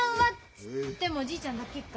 つってもおじいちゃんだけか。